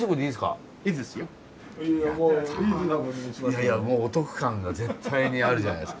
いやいやもうお得感が絶対にあるじゃないですか。